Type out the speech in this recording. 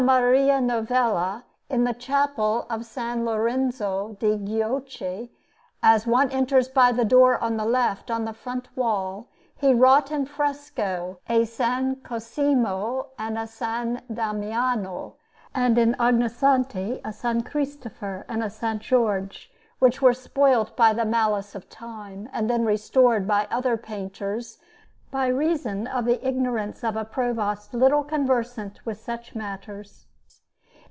Maria Novella, in the Chapel of S. Lorenzo de' Giuochi, as one enters by the door on the left, on the front wall, he wrought in fresco a S. Cosimo and a S. Damiano, and, in Ognissanti, a S. Christopher and a S. George, which were spoilt by the malice of time, and then restored by other painters by reason of the ignorance of a Provost little conversant with such matters.